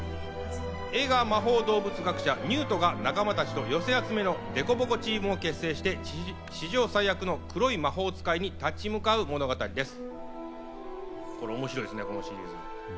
映画は魔法動物学者のニュートが仲間たちと寄せ集めのデコボコチームを結成して史上最悪の黒い魔法使いに立ち向かう物語です。